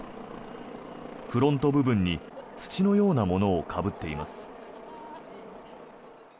フロント部分に土のようなものをかぶっています。